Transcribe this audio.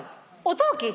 音を聞いて。